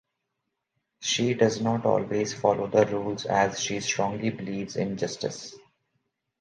She does not always follow the rules as she strongly believes in justice.